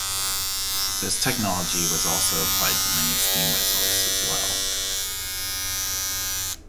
This technology was also applied to many steam whistles as well.